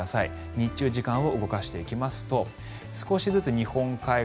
日中、時間を動かしていきますと少しずつ日本海側